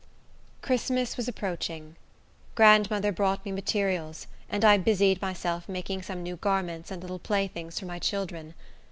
Christmas was approaching. Grandmother brought me materials, and I busied myself making some new garments and little playthings for my children.